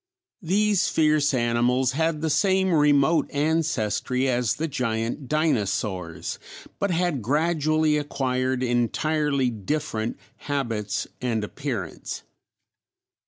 These fierce animals had the same remote ancestry as the giant dinosaurs, but had gradually acquired entirely different habits and appearance.